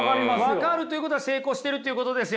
分かるということは成功してるっていうことですよね。